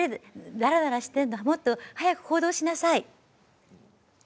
だらだらしてるなもっと早く行動しなさい。